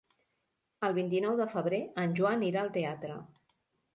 El vint-i-nou de febrer en Joan irà al teatre.